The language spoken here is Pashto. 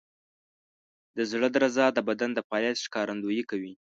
د زړه درزا د بدن د فعالیت ښکارندویي کوي.